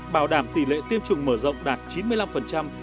bảo đảm tỷ lệ tiêm chủng mở rộng đạt chín mươi năm phần trăm